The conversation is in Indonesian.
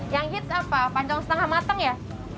yang hits apa pandang setengah matang ya